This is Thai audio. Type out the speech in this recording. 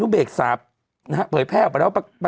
ถูกต้องถูกต้อง